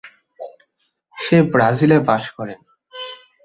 সে ব্রাজিলে বাস করেন।